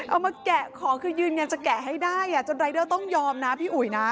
มาแกะของคือยืนยันจะแกะให้ได้จนรายเดอร์ต้องยอมนะพี่อุ๋ยนะ